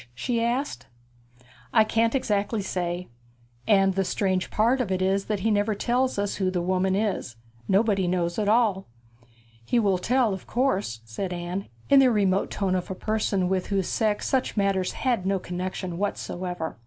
she asked. 'I can't exactly say. And the strange part of it is that he never tells us who the woman is. Nobody knows at all.' 'He will tell, of course?' said Anne, in the remote tone of a person with whose sex such matters had no connexion whatever.